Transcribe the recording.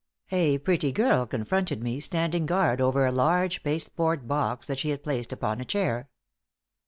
A pretty girl confronted me, standing guard over a large pasteboard box that she had placed upon a chair.